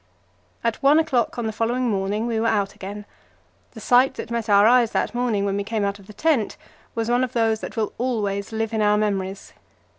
At one o'clock on the following morning we were out again. The sight that met our eyes that morning, when we came out of the tent, was one of those that will always live in our memories.